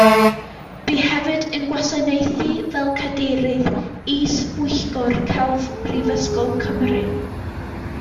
Bu hefyd yn gwasanaethu fel cadeirydd is-bwyllgor celf Prifysgol Cymru.